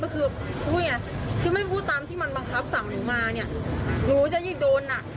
คือไม่พูดตามที่มันบังคับสั่งหนูมาหนูจะยิ่งโดน